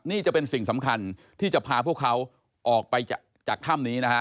นี่จะเป็นสิ่งสำคัญที่จะพาพวกเขาออกไปจากถ้ำนี้นะฮะ